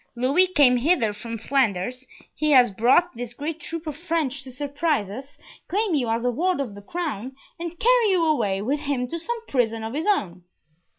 Louis came hither from Flanders, he has brought this great troop of French to surprise us, claim you as a ward of the crown, and carry you away with him to some prison of his own."